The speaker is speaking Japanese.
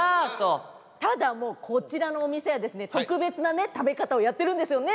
ただもうこちらのお店はですね特別な食べ方をやってるんですよね？